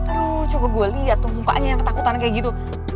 aduh coba gue liat tuh mumpanya yang ketakutan kayak gitu